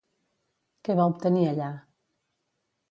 Què va obtenir allà?